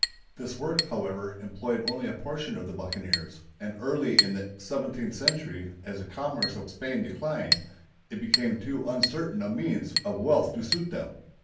This work, however, employed only a portion of the buccaneers; and early in the seventeenth century, as the commerce of Spain declined, it became too uncertain a means of wealth to suit them.